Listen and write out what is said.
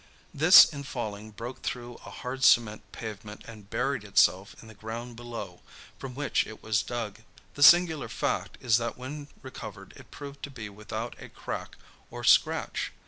This in falling broke through a hard cement pavement and buried itself in the ground below, from which it was dug. The singular fact is that when recovered it proved to be without a crack or scratch.